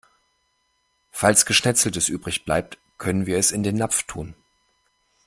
Falls Geschnetzeltes übrig bleibt, können wir es in den Napf tun.